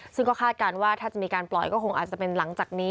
ซึ่งก็คาดการณ์ว่าถ้าจะมีการปล่อยก็คงอาจจะเป็นหลังจากนี้